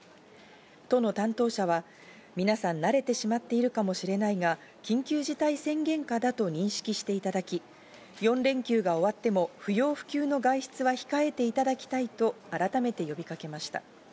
都の担当者は、皆さん慣れてしまっているかもしれないが、緊急事態宣言下だと認識していただき、４連休が終わっても不要不急の外出は控えていただきたいと改めて呼びかけました。